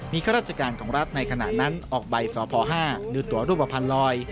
ข้าราชการของรัฐในขณะนั้นออกใบสพ๕หรือตัวรูปภัณฑ์ลอย